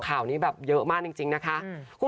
ข่าวนี้แบบเยอะมากจริงนะคะ